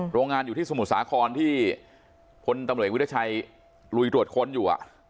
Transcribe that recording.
โรงงานอยู่ที่สมุทรสาครที่พลตำรวจวิทยาชัยลุยตรวจค้นอยู่